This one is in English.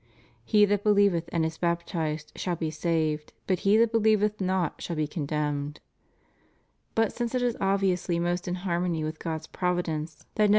He that believeth and is baptized shall be saved, but he that believeth not shall be condemned.^ But since it is obviously most in harmony with God's providence that no one » John X. 37. » John xv.